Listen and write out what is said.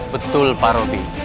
betul pak robi